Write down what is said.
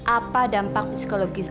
apa dampak psikologis